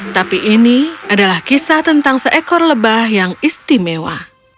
tapi ini adalah kisah tentang seekor lebah yang istimewa